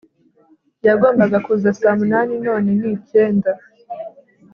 yagombaga kuza saa munani none ni icyenda